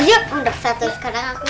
sudah satu sekarang aku